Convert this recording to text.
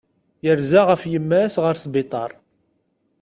Yerza ɣef yemma-s ɣer sbiṭar.